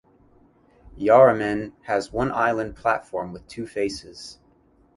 Yarraman has one island platform with two faces.